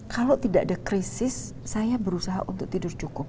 kalau tidak ada krisis saya berusaha untuk tidur cukup